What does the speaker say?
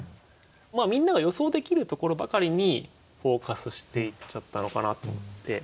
みんなが予想できるところばかりにフォーカスしていっちゃったのかなと思って。